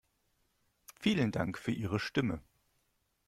Vielen Dank für Ihre Stimme.